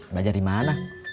belajar di mana